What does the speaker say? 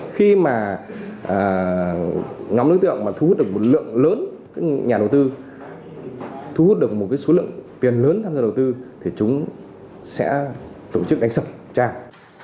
khi mà nhóm đối tượng mà thu hút được một lượng lớn nhà đầu tư thu hút được một cái số lượng tiền lớn tham gia đầu tư thì chúng sẽ tổ chức đánh sập trang